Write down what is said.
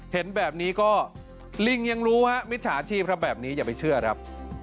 เห็นแบบนี้ก็ลิงยังรู้ฮะมิจฉาชีพครับแบบนี้อย่าไปเชื่อครับ